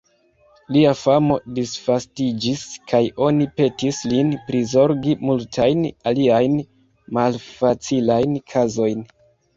Lia famo disvastiĝis kaj oni petis lin prizorgi multajn aliajn malfacilajn kazojn.